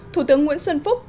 thủ tướng nguyễn xuân phúc